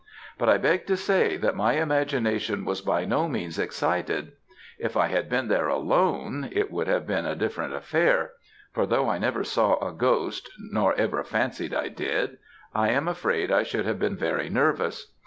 But I beg to say that my imagination was by no means excited. If I had been there alone, it would have been a different affair; for though I never saw a ghost nor ever fancied I did, I am afraid I should have been very nervous.